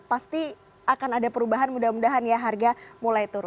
pasti akan ada perubahan mudah mudahan ya harga mulai turun